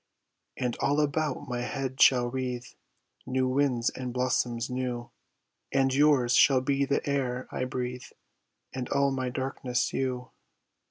And all about my head shall wreathe New winds and blossoms new, And yours shall be the air I breathe And all my darkness, you.